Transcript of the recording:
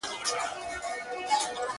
ګواکي ټول دي د مرګي خولې ته سپارلي-